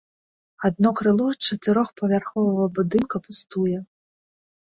Адно крыло чатырохпавярховага будынка пустуе.